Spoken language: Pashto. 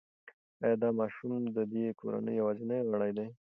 ایا دا ماشوم د دې کورنۍ یوازینی غړی دی؟